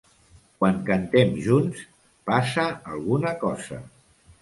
Quan cantem junts passa alguna cosa.